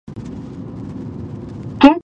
مرګ او ژوبله پکې وسوه.